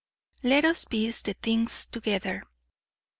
Let us piece the things together.